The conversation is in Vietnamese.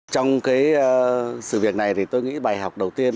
trong sự việc này thì tôi nghĩ bài học đầu tiên